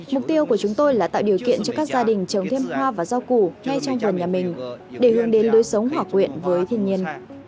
mục tiêu của chúng tôi là tạo điều kiện cho các gia đình trồng thêm hoa và rau củ ngay trong vườn nhà mình để hướng đến lối sống hòa quyện với thiên nhiên